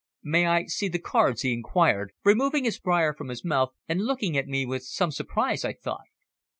"May I see the cards?" he inquired, removing his briar from his mouth and looking at me with some surprise, I thought.